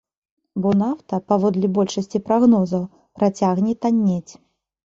Бо нафта, паводле большасці прагнозаў, працягне таннець.